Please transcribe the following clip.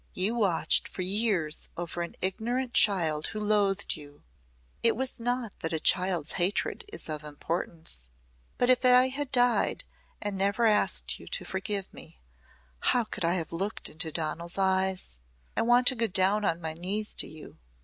You watched for years over an ignorant child who loathed you. It was not that a child's hatred is of importance but if I had died and never asked you to forgive me, how could I have looked into Donal's eyes? I want to go down on my knees to you!"